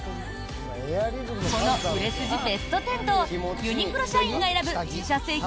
この売れ筋ベスト１０とユニクロ社員が選ぶ自社製品